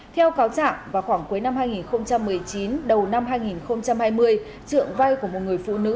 theo cáo trạng vào khoảng cuối năm hai nghìn một mươi chín đầu năm hai nghìn hai mươi trượng vay của một người phụ nữ